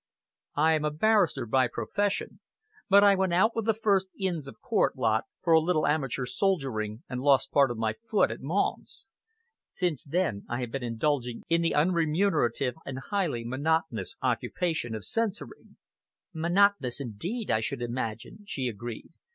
"I am a barrister by profession, but I went out with the first Inns of Court lot for a little amateur soldiering and lost part of my foot at Mons. Since then I have been indulging in the unremunerative and highly monotonous occupation of censoring." "Monotonous indeed, I should imagine," she agreed.